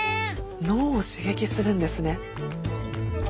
脳を刺激するんですね！